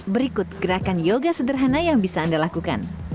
berikut gerakan yoga sederhana yang bisa anda lakukan